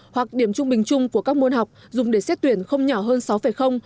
hoặc điểm trung bình chung của các môn học dùng để xét tuyển không nhỏ hơn sáu